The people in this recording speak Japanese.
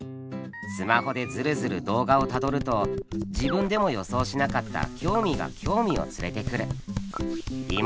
スマホでヅルヅル動画をたどると自分でも予想しなかった興味が興味を連れてくる。